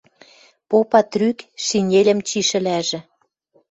Попа трӱк, шинельӹм чишӹлӓжӹ: